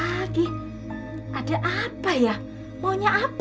hatimu ini centrum niga pihak barat menyusungmu ya